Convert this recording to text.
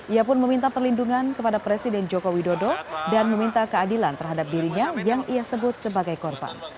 ia pun meminta perlindungan kepada presiden joko widodo dan meminta keadilan terhadap dirinya yang ia sebut sebagai korban